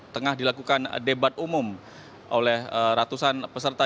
tengah dilakukan debat umum oleh ratusan peserta